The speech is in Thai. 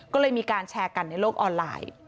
ก็เลยมีการแชร์กันในโลกออนไลน์